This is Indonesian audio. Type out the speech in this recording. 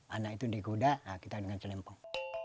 anak itu dikuda kita dengan celempong